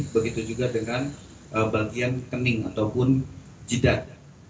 begitu juga dengan bagian kening ataupun jeda